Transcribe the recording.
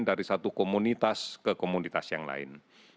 dari satu komunitas ke komunitas yang lain